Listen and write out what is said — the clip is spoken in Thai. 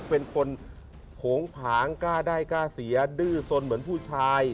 เป็นคนโผงผางกล้าได้กล้าเสียดื้อสนเหมือนผู้ชาย